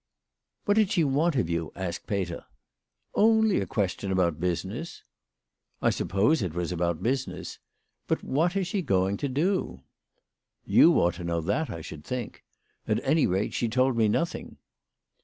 " What did she want of you ?" asked Pete r. " Only a question about business." " I suppose it was about business. But what is she going to do ?" "You ought to know that, I should think. At any rate, she told me nothing."